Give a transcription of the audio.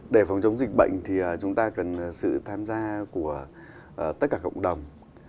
để phòng chống dịch bệnh thì chúng ta cần sự tham gia của tất cả cộng đồng